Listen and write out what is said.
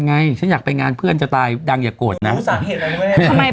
ไงฉันอยากไปงานเพื่อนจะตายดังอย่ากดนะอุสารอะไร